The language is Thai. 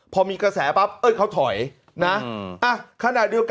พอมีกระแสปั๊บเอ๊ดเขาถอย